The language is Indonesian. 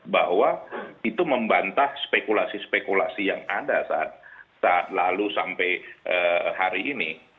bahwa itu membantah spekulasi spekulasi yang ada saat lalu sampai hari ini